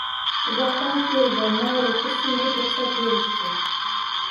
Uzoqdan keldi, mayli, kirsin, deb ruhsat berishdi.